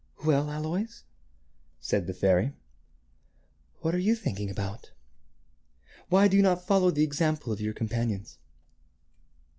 " Well, Aloys," said the fairy, " what are you thinking about? Why do you not follow the example of your com panions